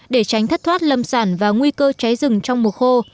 để tránh thất thoát lâm sản và nguy cơ cháy rừng trong mùa khô